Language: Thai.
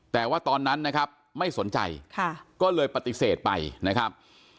แต่ว่าตอนนั้นนะครับไม่สนใจก็เลยปฏิเสธไปนะครับ